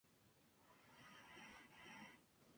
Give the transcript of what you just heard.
Además, es una de las pocas línea comunales, e independientes.